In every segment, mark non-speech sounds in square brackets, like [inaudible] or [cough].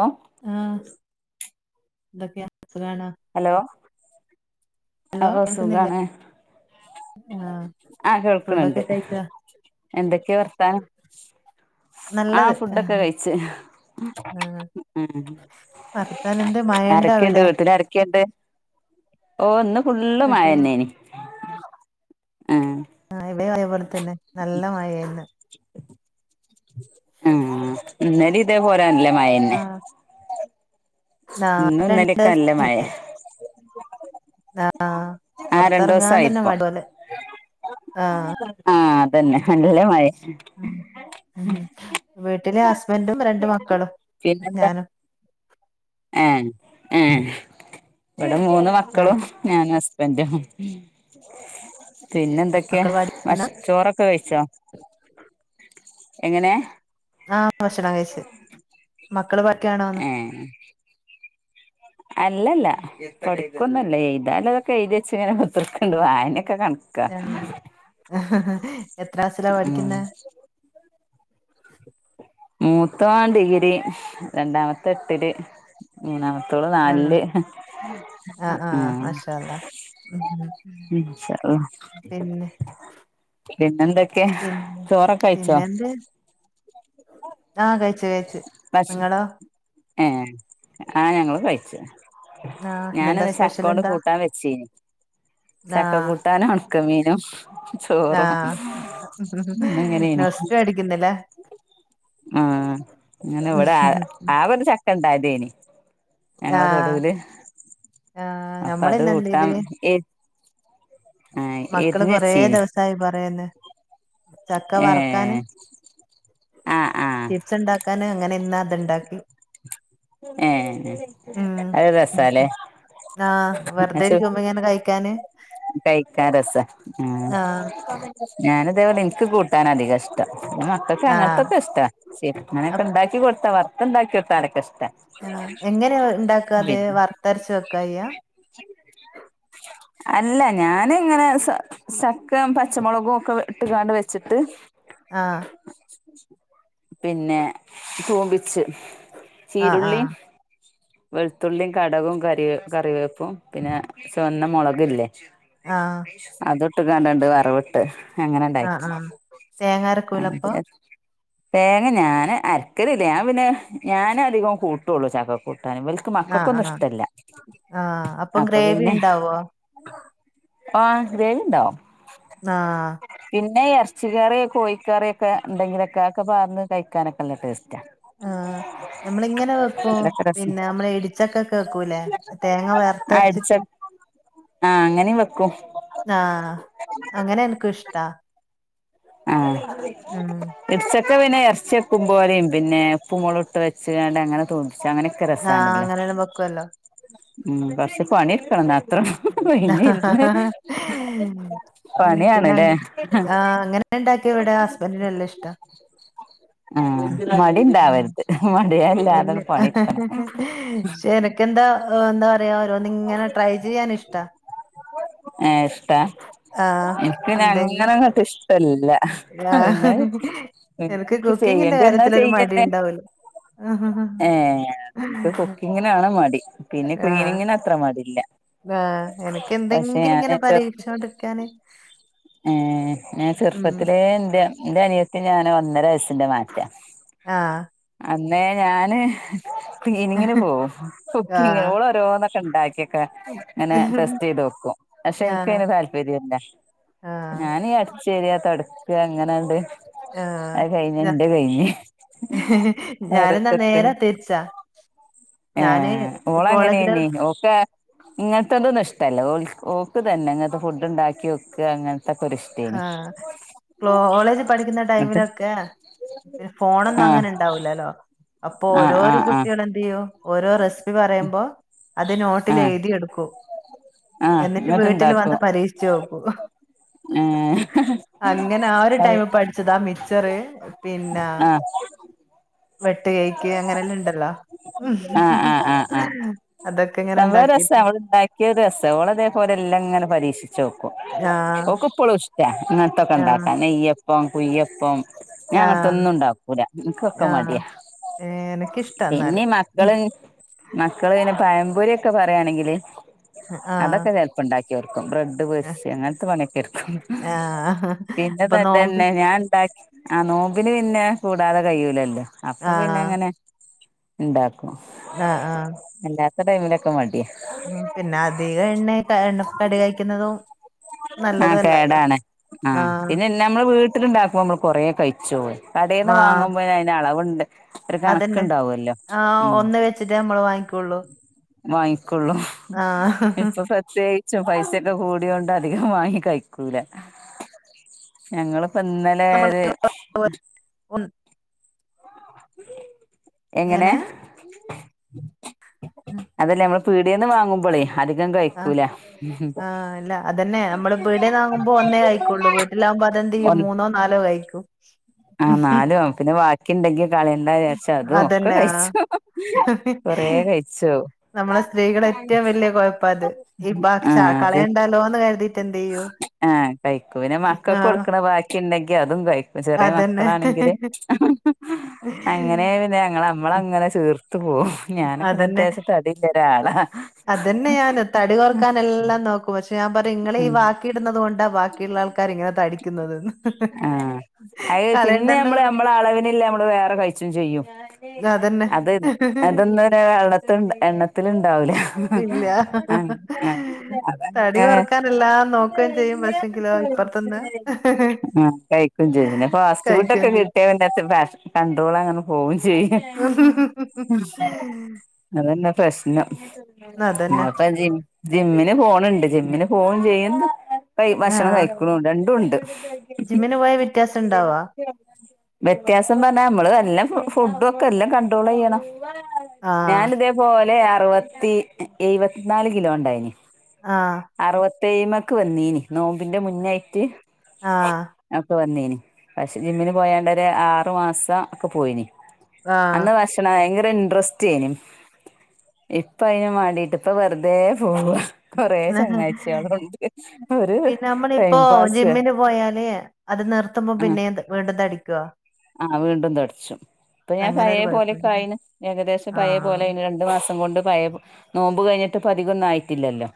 ഓ ആഹ് എന്തൊക്കെയാ സുഖാണോ ഹലോ ഹലോ ഓ കേൾക്കുന്നില്ലേ സുഖാണ് ആഹ് ആഹ് കേൾക്കണണ്ട് ഫുഡൊക്കെ കഴിച്ചോ എന്തൊക്കെയാ വർത്താനം ആഹ് ഫുഡൊക്കെ കഴിച്ചി ആഹ് ഉമ് വർത്താനെന്ത് മഴണ്ടോ ആരൊക്കെണ്ട് അവിടെ വീട്ടിലു ആരൊക്കെണ്ട് ഓഹ് ഇന്ന് ഫുള്ളു വീട്ടിൽ മഴന്നെനി ആഹ് ഇവടെ അതുപോലെ തന്നെ നല്ല മഴായിന്ന് ആഹ് ഇന്നെല ഇതേ പോരാ നല്ലേ മഴന്നെ ആഹ് നാ ഇന്നും ഇന്നാലോക്കെ രണ്ടൂസം നല്ല മഴ പിന്നെ ആഹ് ആഹ് പൊറത്തെറങ്ങാൻ രണ്ടോസായി തന്നെ പ്പം മടി പോലെ ആഹ് ആഹ് അതന്നെ നല്ല മഴ ഉമ് ഉമ് വീട്ടിലെ ഹസ്ബന്റും രണ്ട് മക്ക പിന്നെന്താ ഏഹ് ഏഹ് ഇവടെ മൂന്ന് ആഹ് മക്കളും ഞാനും ഹസ്ബന്റും പിന്നെന്തൊക്കെയ മക്കള് പഠിക്കുന്ന മശ് ചോറൊക്കെ കഴിച്ചോ എങ്ങനെ ആഹ് ഭക്ഷണം കഴിച്ച് മ ഏഹ് അല്ലല്ല പഠിക്കുന്നില്ല എഴുതാനുള്ളതൊക്കെ ച്ചി ഇങ്ങനെ ഇങ്ങനെ കുത്തിയിരിക്കുന്നു. വായന ആഹ് എത്രാസിലാ ഉം പഠിക്കുന്ന. മൂത്ത ഡിഗ്രിരി രണ്ടാമത്തെ എട്ടില് മൂന്നാമത്തെ ത്തോള് നാല് ആഹ് ല്ല് ആഹ് ആഹ് മാഷാ അള്ളാ ഉം പിന്നെ [unintelligible] പിന്നെന്തൊക്കെ പിന്നെ ചോറൊക്കഴിച്ചോ പിന്നെന്ത് ആഹ് കഴിച്ചു കഴിച്ചു ഭക്ഷ നിങ്ങളോ? ഏഹ് ആഹ് ഞങ്ങളും കഴിച്ച് ആഹ് ഇന്നെന്താ ഞാനന്ന് സ്പെഷ്യൽ ചക്കോണ്ട് എന്താ കൂട്ടാൻ വെച്ചീന്. ചക്ക ആഹ് കൂട്ടാനും ഉണുക്ക മീനും ചോറും ഇന് ഇങ്ങനെയ റസ്റ്റ് എടിക്കുന്നില്ലേ ആഹ് ഞാ ന് ഇവിടെ ആ ആകെ ഒരു ചക്ക ഉണ്ടായതേനി ഞങ്ങളെ ആഹ് തൊടൂല് ആഹ് അപ്പൊ അത് നമ്മള്ന്നെന്ത്യ്ത് കൂട്ടാൻ എ ആഹ് മക്കള് എരിഞ്ഞ് കൊറേ വെച്ചീനി ദിവസായി പറേന്ന്. ചക്ക വറക്കാന്. ഏഹ് ആഹ് ആഹ് ചിപ്സ് ഉണ്ടാക്കാന് അങ്ങനെ ഇന്നാ അത്ണ്ടാക്കി. ഏ ഉം അത് രസാ അല്ലേ? ആഹ് വെറുതെ ഇരിക്കുമ്പങ്ങനെ കഴിക്കാന്. കഴിക്കാൻ രസാ ഉം ആഹ് ഞാന് അതേപോലെ എനിക്ക് കൂട്ടാൻ അധികം ഇഷ്ടം. മക്കൾക്ക് ആഹ് അങ്ങനത്തൊക്ക ഇഷ്ടാ ശെ അങ്ങനൊക്കെ ഉണ്ടാക്കി കൊടുത്താ വർത്ത് ഉണ്ടാക്കി കൊടുത്താ ഇഷടാ. ആ എങ്ങനെ ഉണ്ടാക്കാത് പിന്നെ വർത്തരച്ചെക്ക ചെയ്യ. അല്ല ഞാന് ഇങ്ങനെ സ ശക്കയും പച്ചമുളകും ഒക്കെ ഇട്ട് കാണ്ട് വെച്ചിട്ട് ആഹ് പിന്നെ തൂമ്പിച്ച് ആ, ചീരുള്ളി ആ. വെളുത്തുള്ളിയും കടുവും കറി കറിവേപ്പും പിന്നെ ചുവന്ന മുളകില്ലേ? ആ. അത് ഇട്ട് കണ്ടണ്ട് വറവിട്ട്. ആ, അങ്ങനെണ്ടായി ആ. തേങ്ങ അരക്കൂല അപ്പൊ? ആഹ് തേങ്ങ ഞാൻ അരക്കലില്ല ഞാൻ പിന്നെ ഞാൻ അധികം കൂട്ടുള്ളു ചക്കക്കൂട്ട ക്ക് ആ, മക്കൾക്കൊന്നും ആ. ഇഷ്ടല്ല അപ്പൊ പിന്നെ ങ്ങ [unintelligible] ആഹ് പച്ച കറിയ കോഴിക്കറിയൊക്കെ ഉണ്ടെങ്കിലൊക്കെ ഒക്കെ പാർന്ന് കഴിക്കാനൊക്കെ നല്ല ടേസ്റ്റ്. [unintelligible] നമ്മള ഇങ്ങനെ വെക്കുവ അതൊക്കെ രസം പിന്നെ നമ്മള ഇടിച്ചക്ക ഒക്കെ വെക്കൂല്ലേ തേങ്ങ വർത്തെരച്ചിട്ട്. ആഹ അങ്ങനെ വെക്കൂം ആ. അങ്ങനെ എനിക്കും ഇഷ്ടാ. ആഹ ഉം. ഇസ ഒക്കെ പിന്നെ ഇറച്ചി വക്കും പോലെയും പിന്നെ ഉപ്പും മുളകും ഇട്ട് വെച്ച് വണ്ട് അങ്ങനെ തോന്നും പക്ഷെ അങ്ങനെയൊക്കെ ആ രസാണല്ലോ അങ്ങനെല്ലാം വെക്കുവല്ലോ. ഉം പക്ഷേ പണിയെടുക്കണം അത്ര പിന്ന ഇരുന്ന് പണിയാണല്ലേ ഉണ്ടാക്കി ഇവിടെ ഹസ്ബൻഡന് എല്ലാം ഇഷ്ടം. ആ ആ മടി ഉണ്ടാവരുത്. മടിയല്ലാതെ നെല്ല്. പണിയെടുക്കണം. എന്താ എന്താ പറയാ ഓരോന്ന് ഇങ്ങനെ ട്രൈ ചെയ്യാൻ ഇഷ്ടാ. ഹ ഇഷ്ടാ ആഹ് എനിക്ക് പിന്നെ എന്തെങ്കി അങ്ങനെങ്ങോട്ട് ഇഷ്ടല്ല. ആഹ് ന്ന പിന്ന എനക്ക് നക്ക് കുക്കിങ്ങിന്റെ ചെയ്യേണ്ടി വന്നാ കാര്യത്തിലൊരു മടി ചെയ്യന്നെ. ഉണ്ടാവൂല ആഹ് ഏ നമക്ക് കുക്കിങ്ങിനാണ് മടി പിന്നെ ക്ലീനിങ്ങിന് അത്ര മടി ഇല്ല ആ എനക്ക് എന്തെങ്കിലും ഇങ്ങനെ ചെറുപ്പ പരീക്ഷിച്ചുകൊണ്ടിരിക്കാന്. ഞാൻ ചെറുപ്പത്തിലേ എന്റെ എന്റെ അനി ഞാൻ ഒന്നര വയസിന്റെ മാറ്റ ആഹ് അന്നേ ഞാന് ക്ലിനിങ്ങിന് പോവും കുക്കിങ്ങ് ആഹ് ഓളോരോന്ന് ഉണ്ടാക്കിയൊക്കെ ഇങ്ങനെ ടെസ്റ്റ് ചെയ്ത് വെക്കും പക്ഷെ ആഹ് എനിക്ക്ന് താല്പര്യല്ല ആഹ് ഞാന് അടച്ചരിയാ തൊടക്ക അങ്ങനെണ്ട് ആഹ് അത് കഴിഞ്ഞ ഞ എന്റെ കഴിഞ്ഞ് ഞാനെന്നാ ഓരോരുത്തർക്ക് നേരാ തിരിച്ചാ ഏ ഞാന് ഓള കോളേജില് എങ്ങനെയ്നി ഓക്കെ ഇങ്ങനത്തെ എന്ത സ്ഥല ഓക്ക് തന്നെ അങ്ങനത്തെ ഫുഡ് ഉണ്ടാക്കി വെയ്ക്കുക അങ്ങനെ തേനി ആഹ് കോളേജ് പഠിക്കുന്ന ടൈമിലൊക്കെ പി ഫോണൊന്നും ആ അങ്ങനെ ഉണ്ടാവൂലല്ലോ അപ്പൊ ആ ആ ഓരോരോ ആ കുട്ടികൾ എന്ത് ചെയ്യോ ഓരോ റെസിപ്പി പറയുമ്പോ അത് നോട്ടില് ആ എഴുതിയെടുക്കും ആഹ് എന്നിട്ട് വീട്ടിൽ ഇങ്ങട്ട്ണ്ടാക്കും വന്ന് പരീക്ഷിച്ചു നോക്കും ഏഹ് അങ്ങനെ ആ ഒരു ആഹ് ടൈം പഠിച്ചതാ മിച്ചർ പിന്നെ ആഹ് വെട്ട് കേക്ക് അങ്ങനെല്ലാം ഇണ്ടല്ലോ സംഗതി രസാ ഓള് ണ്ടാക്ക്ണ രസാ ഓള് ഇതേ പോലെ എല്ലങ്ങനെ പരീക്ഷിക്കും ആ ഓക്ക് ഇപ്പളും ഇഷ്ട അങ്ങനത്തൊക്കെ ആ ഉണ്ടാക്കാ നെയ്യപ്പം കുയ്യപ്പം ഞാൻ ആ അങ്ങനത്ത ഒന്നും ഉണ്ടാക്കൂല എനക്ക് ഒക്കെ ആ മടിയാ ഏ, എനിക്കിഷ്ടാ എന്നാല് പിന്നെ ഉം. മക്കള് മക്കള് പഴംപൊരിയോക്കെ പറയുകയാണെങ്കിൽ ആ അതൊക്കെ ചെലപ്പ ഉണ്ടാക്കി ബ്രെഡ് ആ പൊരിച്ച അങ്ങനത്തെ പണിയൊക്കെയെടുക്കും ആ. അപ്പൊ നോമ്പ് പിന്നത്തന്നെ ഞാൻണ്ടാക്കി ആ നോമ്പിന് പിന്നെ കൂടാതെ കഴിയൂലല്ലോ അപ്പൊ ആ പിന്നെ അങ്ങനെ ഉണ്ടാക്കും ആ ആ അല്ലാത്ത ടൈമിലൊക്കെ മടിയാ പിന്നെ അധികം എണ്ണ എണ്ണ കടി കഴിക്കുന്നതും ആഹ് നല്ലതല്ലല്ലോ കേടാാണ് ആ ആഹ് പിന്നെ നമ്മള് വീട്ടിലുണ്ടാക്കുമ്പോ നമ്മള് കൊറേ കഴിച്ചുപോവും കടയിൽന്ന് ആ വാങ്ങുമ്പോ അളവുണ്ട് ഒരു അതന്നെ കണക്കുണ്ടാവുമല്ലോ ആ ഉം ഒന്ന് വെച്ചിട്ടേ നമ്മള് വാങ്ങിക്കുള്ളു വാങ്ങിക്കൊള്ളൂ ഇപ്പൊ പ്രത്യേ ച്ചും പൈസയൊക്കെ കൂടിയോണ്ട് അധികം വാങ്ങി കഴിക്കൂല ഞങ്ങളെ നമ്മള് ഇന്നലെര് എങ്ങനെ പീടിയെന്ന് വാങ്ങുമ്പോളേ അധികം ആ കഴിക്കൂല ആഹ് ഇല്ല അതന്നെ നമ്മള് പീടിയെന്ന് വാങ്ങുമ്പോ ഒന്നേ കയിക്കൊുള്ളു വീട്ടിലാകുമ്പോ അതെന്തയ്യും ഒന്ന് മൂന്നോ നാലോ കഴിക്കും ആഹ് നാലും പിന്നെ ബാക്കി ഉണ്ടെങ്കി കളയണ്ട ച്ചു അതും ഒക്കെ അതന്നെ ആ കഴിച്ചു കൊറേ കൊറെകഴിച്ചു നമ്മള് സ്ത്രീകൾ ഏറ്റവും വല്ല കൊഴപ്പ അത് ഈ ആഹ് അതെ കളയുണ്ടല്ലോ എന്ന് കരുതിട്ട് എന്ത് ചെയ്യോ ആഹ് കഴിക്കും പിന്നെ മക്കൾക്ക് കൊടുക്കണ ബാക്കി ഉണ്ടെങ്കി അതും കഴിക്കും ചെറിയ അതന്നെ മക്കളാണെങ്കില് അങ്ങനെ പിന്നെ ങ്ങ നമ്മള് അങ്ങനെ ചീർ അതന്നെ ഒരാളാ അത്ന്നെ ഞാന് തടി കൊർക്കാൻ എല്ലാം നോക്കും പക്ഷെ പക്ഷെ ഞാൻ പറയായും ഇങ്ങളെ ഈ ബാക്കി ഇടുന്നുന്നത് കൊണ്ടാ ബാക്കിയുള്ള ആൾക്കാർ ഇങ്ങനെ തടിക്കുന്നത്ന്ന് ആഹ് അത് പിന്നെ നമ്മള് നമ്മള അളവിനില്ല നമ്മള് വേറെ കഴിച്ചും ചെയ്യും അതന്നെ. അത് അതന്ന് വെള്ളത്തിണ്ട് എണ്ണത്തില ഉണ്ടാവുല ഇല്ല. അങ്ങനെ നല്ല നോക്കുകയും ചെയ്യും പക്ഷെങ്കിലോ ഇപ്പറത്തന്ന് ആ കഴിക്കയും ചെയും ഫാസ്റ്റ് ഫുഡ് ഒക്കെ ചെയ്യും. കിട്ടിയ പിന്നെ കണ്ട്രോൾ അങ്ങനെ പോകും ചെയ്യും അതന്നെ പ്രശ്നം അതന്നെ. ജിമ്മിന് പോണണ്ട് ജിമ്മന് പോവും ചെയ്യും. ഭക്ഷണം ആഹ്. കഴിക്കുന്നുണ്ടും രണ്ടും ഉണ്ട്. ജിമ്മിന് പോയ വ്യത്യാസംണ്ടാവോ. വ്യത്യാസം പറഞ്ഞാ നമ്മള് എല്ലാം ഫുഡും ഒക്കെ എല്ലാം കണ്ട്രോൾ ചെയ്യണം. ആഹ്. ഞാന ഇതേപോലെ അറുപത്തി എഴുപത്തിനാല് കിലോ ഉണ്ടായിന്. ആഹ തേഴ്മക്ക് വന്നീനി നോമ്പിന്റെ മുന്നായിട്ട്. ആഹ ഒ വന്നീന് പക്ഷെ ജിമ്മിന് പോയാണ്ട ഒരു ആറു മാസം ഒക്കെ പോയിന്. ആഹ്. അന്ന ഭക്ഷണ [unintelligible] ഇൻട്രസ്റ്റ് എനി ഇപ്പ അതിന് മാണ്ടിട്ട് ഇപ്പ വെറുതെ പോവ. ആ ഒരു പിന്നെ നമ്മള ടൈം പാസ് ഇപ്പോജിമ്മിന് പോയല്.. അത് നിർത്തുമ്പോ പിന്നെ വീണ്ടും തടി കോ. ആഹ വീണ്ടും തടിച്ചും. ഇപ്പൊ ഞാൻ പഴയ അങ്ങനൊരു കുഴപ്പണ്ടല്ലേ? പോലക്കായിന് ഏകദേശം പയ ആഹ്. പോലെയിന് രണ്ടു മാസം കൊണ്ട് പയ നോമ്പ. ഴിഞ്ഞിട്ട് പതികംന്ന ആയിട്ടില്ലല്ലോ.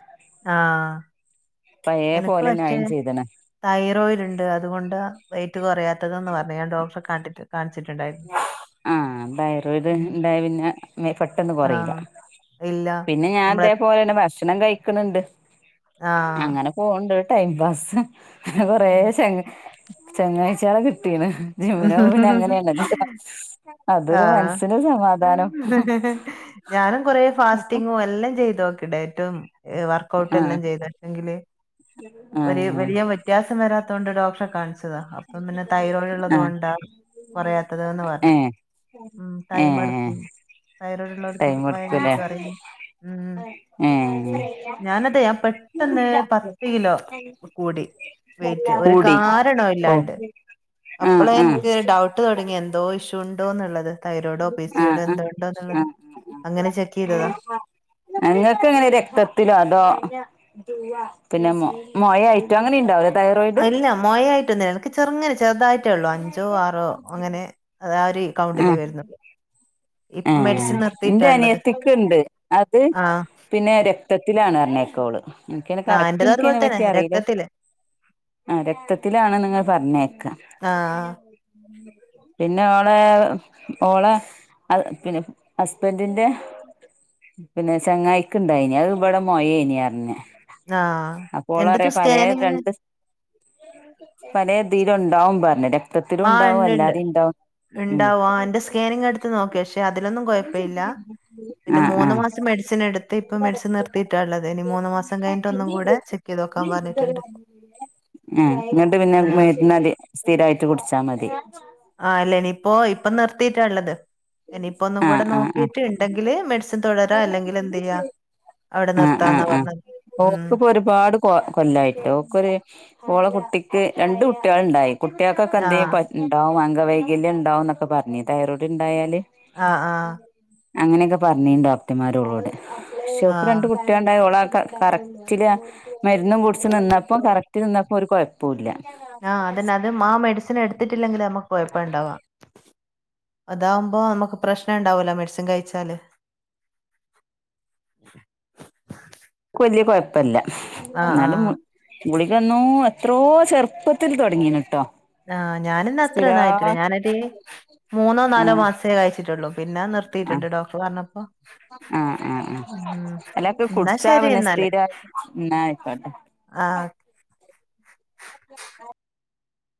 ആഹ പ അയേ പോലെ ന്യായം ചെയ്തണ. തൈറോയിഡ ഉണ്ട് അതുകൊണ്ട് വെയിറ്റ് കുറയാത്തത്ന്ന് പറഞ്ഞഞ് ഞാൻ ഡോക്ടറെ കാട്ടി.. അതെ ആഹ്ന് തൈറോയ്ഡ് ഉണ്ടായ പിന്നെ പെട്ടൊന്നും കുറയില്ല. ആഹ്. ഇല്ല. പിന്നെ ഞാൻ നമ്മള് അതേപോലെന്നെ ഭ.. ഭക്ഷണം കഴിക്കന്ണ്ട് ആഹ്. അങ്ങനെ പോണ്ട് ടൈം പാസ്. കൊറേ ഉം. ശങ്ങാഴ്ചകള് കിട്ടീന് ജിന്മ്മിനെ പോകുമ്പോൾ അങ്ങനെയാണല്ലോ. അതൊരു ആഹ്. മനസ്സിന് സ.. ഞാനും കൊറ ഫാസ്റ്റിങ്ങും എല്ലാം ചെയ്ത് നോക്ണ്ടായി... വർക്കഔട്ട് ആഹ് എല്ലാം ചെയ്തെങ്കില് ഒരു ആഹ് വലിയ വ്യത്യാസം വരാത്ത. ണ്ട് ഡോക്ടറെ കാണിച്ചതാഅപ്പ പിന്നെ തൈറോയിഡ് ഉള്ള. ത ആഹ് കൊണ്ടാ കൊറയാത്തത്ന്ന് പറഞ്ഞ ഏഹ് ഉം ടൈം ഏഹ് എടുക്കും. തൈറോയ്ഡ് ഉള്ളവർക്ക് വയലായിട്ട് അറണം ഉം. എ. പെട്ടന്ന് പത്ത് കിലോ കൂടി. വെയിറ്റ് ഒരു കൂടി കാരണോ ഇല്ലാണ്ട് ഓഹ് അപ്പള ആഹ് ആഹ് എനിക്ക് ഡൗട്ട് ത.. എന്തോ ഇഷ്യു ഉണ്ടോ എന്നുള്ളത് തൈരോടോ പി ആഹ് സിയോടോ ആഹ് എന്തോ ഉണ്ടോ എന്നുള്ളത്. അങ്ങനെ ചെക്ക് ചെയ്തതാ. അങ്ങക്ക് എങ്ങനെ രക്തത്തിലോ അതോ പിന്നെ മോഴായിട്ടോ അങ്ങനെണ്ടാവു ലെ.. അല്ല മൊയ ആയിട്ടൊന്നില്ല എൻക്ക് ചെറുങ്ങന ചെറുതായിട്ട്. റ്റുള്ളൂ അഞ്ചോ ആറോ അങ്ങനെ ആ ഒരു അക്കൗണ്ടിലേ വരുന്നുള്ളൂ. ഏ ഇപ്പം മെഡിസിൻ ന്റെ നിർത്തിയിട്ടാ ഉള്ളത്. അനിയത്തിക് ഉണ്ട് അത് ആഹ് പിന്നെ രക്തത്തിലാണ്. ന്നേക്കോളു എനിക്കനെ ആഹ് എന്റെത് അതുപോലെ തന്നെ കറക്റനിക്കഅതിനെപറ്റി അറിയില്ല. രക്തത്തില് ആ രക്തത്തിലാണ് ന്ന് പറഞ്ഞേക്കാം. ആഹ് പിന്നെ ഓളെ ഓളെ പിന്നെ ഹസ്ബൻറിന്റെ. പിന്നെ ചങ്ങായിക് ഇണ്ടായിനി അത് ഇപടെ മോയ ഇന് പറഞ്ഞ്. ആഹ് എന്റത് അപ്പോൾറിയ പല സ്കാനിങ് രണ്ട് പല തിലും ഉണ്ടാവും പറഞ് രക്തത്തിലും ഉണ്ടാവും അല്ലാതെയ ഉണ്ടാവും. ഉം ഉണ്ടാവും എന്റെ സ്കാനിങ് എടുത്ത് നോക്കി പക്ഷെ അതിലൊന്നും കുഴപ്പ ഇല്ല പിന്നെ ആഹ് മൂന്ന് ആഹ് മാസം. മെഡിസിൻ എടുത്ത് ഇപ്പ ആഹ് മെഡിസി നിർത്തിയിട്ടാ ഉള്ളത് ഇനി മൂന്ന് മാസം കഴിഞ്ഞിട്ട ഒന്നും കൂടെ ചെക്ക് ചെയ്ത് നോക്കാൻ പറഞ്ഞിട്ടുണ്ട്. ഉ എന്നിട്ട് പിന്നെ ആഹ് മരുന്നട് സ്ഥിരായിട്ട് കുടിച്ചാ മതി. ഇ പോ ഇപ്പൊ നിർത്തിയിട്ടാള്ളത്. ഇനിയിപ്പോ ഒന്നും ആഹ് കൂടെ ആഹ് ആഹ് നോക്കിട്ട് ഉണ്ടെങ്കില് മെഡിസിൻ തുടരാ അല്ലെങ്കിൽ എന്ത് ചെയ്യാ. അവിടെ നിർത്താന്നാ പറഞ്ഞത് ഉം ഓക്ക് ഇപ്പോ ഒരുപാട് കൊ കൊല്ലായിട്ട് ഓക്കരു ഓള കുട്ടിക്ക് രണ്ട് കുട്ടികൾ ഉണ്ടായി കുട്ടികൾക്കൊക്കെ ആഹ് എന്തും ഉണ്ടാവും അംഗവൈകല്യം ഉണ്ടാവും എന്നൊക്കെ പറഞ്ഞഞ് തൈറോഡ് ഉ ആ ആ അങ്ങനെയൊക്കെ പറഞ്ഞീ ഡോക്ടർമാർ ഓളോട് പക്ഷേ ഒപ്പോ ആഹ് രണ്ട് കുട്ടിയുണ്ടായള കറക്റ്റില് മരുന്നും കുടിച്ച് നിന്നപ്പം കറക്റ്റ് നിന്നപ്പോൾ ഒരു കുഴപ്പല്ല ആ അതിനെ അത് ആ മെഡിസിൻ എടുത്തിട്ടില്ലെങ്കിൽ നമ്മുക്ക് കൊഴപ്പം ഉണ്ടാവാം അതാവുമ്പോ നമുക്ക് പ്രശ്ന മുണ്ടാകില്ല മെഡിസിൻ കഴിച്ചാല് വലിയ കുഴപ്പല്ല ആ ആ ഗുളികന്നോ എത്രോ ചെറുപ്പത്തിൽ തുടങ്ങീന കേട്ടോ ആ ഞാനിന്ന അത്ര ഒന്നായിട്ടില്ല ഞാനൊരു മൂന്നോ നാലോ ആഹ് മാസമേ കഴിച്ചിട്ടുള്ളൂ പിന്നെ നിർത്തിയിട്ടുണ്ട് ഡോക്ടർ പറഞ്ഞപ്പോ ആ ആ ആ ഉം അല്ലപ്പോ എന്നാ കുടിച്ചാ ശരി പിന്നെ എന്നാല് സ്ഥിരമായിട്ട എന്ന ആയിക്കോട്ടെ ആ